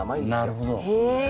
なるほど。